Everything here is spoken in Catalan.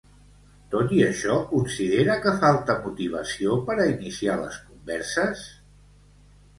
Tot i això, considera que falta motivació per a iniciar les converses?